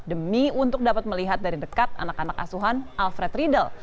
demi untuk dapat melihat dari dekat anak anak asuhan alfred riedel